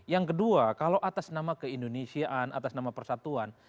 yang kedua kalau atas nama keindonesiaan atas nama persatuan